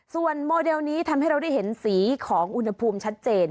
ส่วนโมเดลนี้ทำให้เราได้เห็นสีของอุณหภูมิชัดเจน